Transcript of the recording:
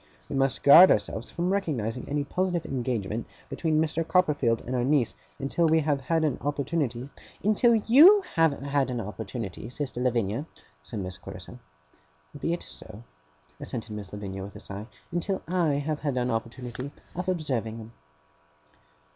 We must guard ourselves from recognizing any positive engagement between Mr. Copperfield and our niece, until we have had an opportunity ' 'Until YOU have had an opportunity, sister Lavinia,' said Miss Clarissa. 'Be it so,' assented Miss Lavinia, with a sigh 'until I have had an opportunity of observing them.